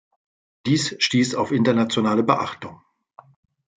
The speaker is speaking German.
Dies stieß auf internationale Beachtung.